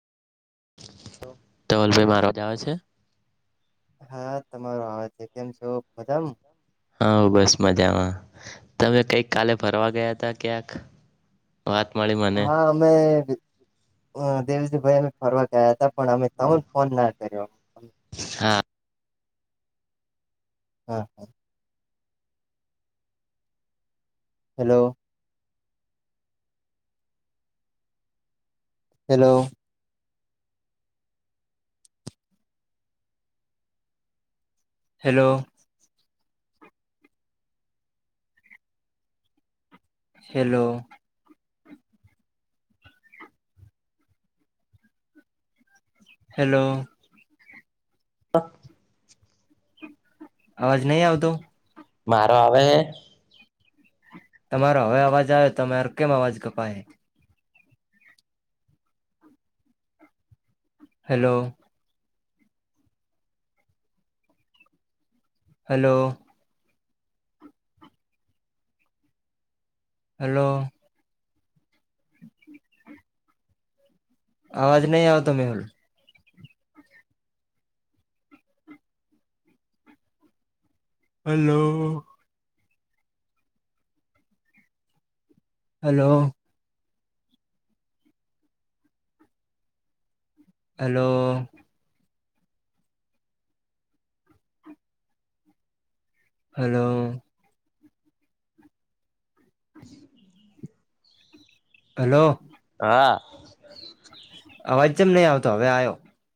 ધવલભાઈ મારો આવાજ આવે છે. હા તમારો આવાજ છે કેમ છો માજમ. હા બસમાં મજામાં તમે કંઈક કાલે ફરવા ગયા હતા ક્યાંક. વાત મળી મને. હા અમે અ દેવજીભાઈ અમે ફરવા ગયા હતા પણ અમે તમન ફોન ના કર્યો. હા. હા. Hello. Hello. Hello. Hello. Hello. હ. અવાજ નહી આવતો. મારો આવે છે. તમારો હવે અવાજ આવે તમારો કેમ અવાજ કપાય. હેલો. હલો. હલો. અવાજ નહી આવે તો મેલ. Hello. Hello. Hello. Hello. Hello. હા. અવાજ ચેમ નહીં આવતો હવે આયો.